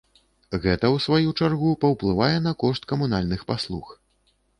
Гэта, у сваю чаргу, паўплывае на кошт камунальных паслуг.